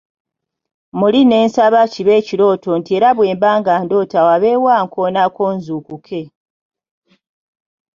Muli ne nsaba kibe ekirooto nti era bwe mba ndoota wabeewo ankoonako nzuukuke.